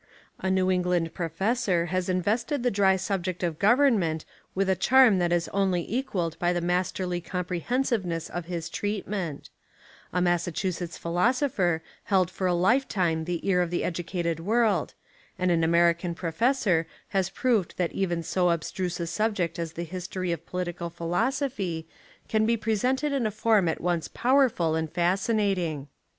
A New England professor has invested the dry subject of government with a charm that is only equalled by the masterly comprehensive ness of his treatment: a Massachusetts philoso pher held for a lifetime the ear of the edu cated world, and an American professor has proved that even so abstruse a subject as the history of political philosophy can be presented in a form at once powerful and fascinating.